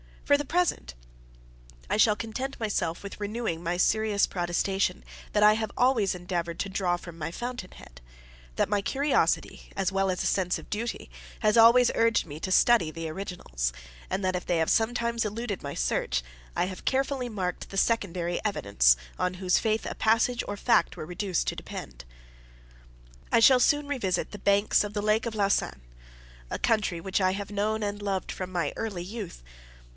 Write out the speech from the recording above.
For the present, I shall content myself with renewing my serious protestation, that I have always endeavored to draw from the fountain head; that my curiosity, as well as a sense of duty, has always urged me to study the originals; and that, if they have sometimes eluded my search, I have carefully marked the secondary evidence, on whose faith a passage or a fact were reduced to depend. 4 (return) [ See Dr. Robertson's Preface to his History of America.] I shall soon revisit the banks of the Lake of Lausanne, a country which I have known and loved from my early youth.